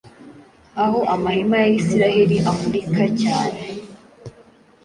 Aho amahema ya Isiraheli amurika cyane.